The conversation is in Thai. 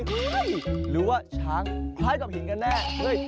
หรือว่าช้างคล้ายกับหินกันแน่